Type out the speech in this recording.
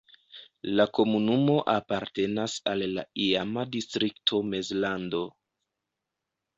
La komunumo apartenas al la iama distrikto Mezlando.